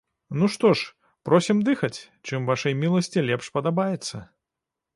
Ну, што ж, просім дыхаць, чым вашай міласці лепш падабаецца.